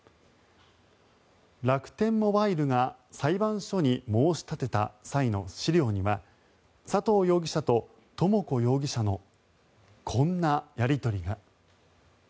楽天モバイルが裁判所に申し立てた際の資料には佐藤容疑者と智子容疑者のこんなやり取りが。